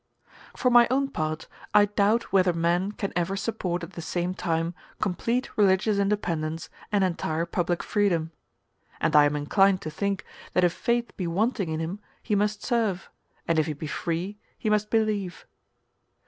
For my own part, I doubt whether man can ever support at the same time complete religious independence and entire public freedom. And I am inclined to think, that if faith be wanting in him, he must serve; and if he be free, he must believe.